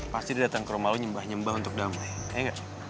pasti dia datang ke rumah lu nyembah nyembah untuk damai kayak enggak